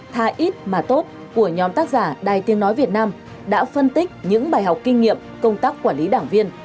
thà ít mà tốt của nhóm tác giả đài tiếng nói việt nam đã phân tích những bài học kinh nghiệm công tác quản lý đảng viên